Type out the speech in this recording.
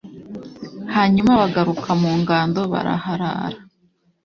hanyuma bagaruka mu ngando baraharara